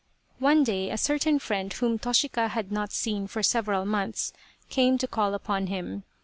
One day a certain friend whom Toshika had not seen for several months, came to call upon him.